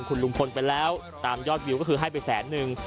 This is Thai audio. คุณลุงพลไปแล้วตามยอดวิวก็คือให้ไปแสนนึง